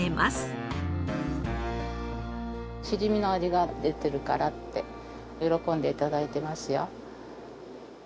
しじみの味が出てるからって喜んで頂いてますよ。